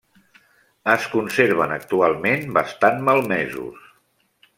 Es conserven actualment bastant malmesos.